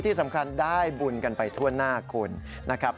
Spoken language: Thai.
ที่สำคัญได้บุญกันไปทั่วหน้าคุณนะครับ